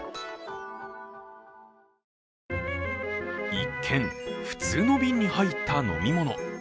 一見、普通の瓶に入った飲み物。